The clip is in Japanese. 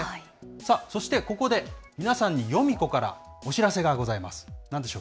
さあ、そしてここで、皆さんにヨミ子からお知らせがございます。